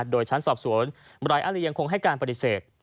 โดยชั้นสอบสวนไร้อารียังคงให้การปฏิเสธ